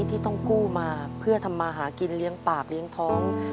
ที่ต้องกู้มาเพื่อทำมาหากินเลี้ยงปากเลี้ยงท้อง